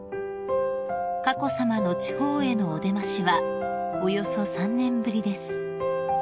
［佳子さまの地方へのお出ましはおよそ３年ぶりです］